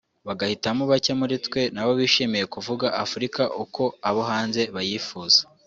bagahitamo bake muri twe nabo bishimiye kuvuga Afurika uko abo hanze bayifuza